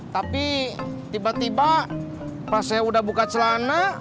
tapi tiba tiba pas saya udah buka celana